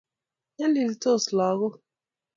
nyaliltos lagok